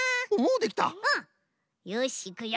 うん！よしいくよ！